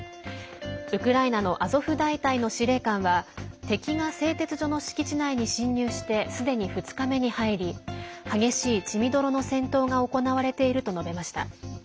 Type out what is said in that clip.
ウクライナのアゾフ大隊の司令官は敵が製鉄所の敷地内に侵入してすでに２日目に入り激しい血みどろの戦闘が行われていると述べました。